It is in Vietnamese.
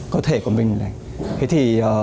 cơ thể của mình